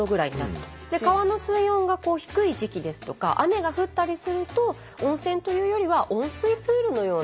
で川の水温が低い時期ですとか雨が降ったりすると温泉というよりは温水プールのような。